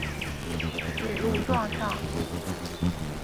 谨录状上。